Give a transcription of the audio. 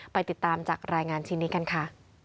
ไปติดตามจากรายงานชิ้นนี้กันค่ะ